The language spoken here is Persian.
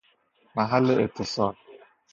محل اتصال